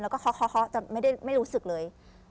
แล้วก็ค็อจะไม่ได้รู้สึกเลย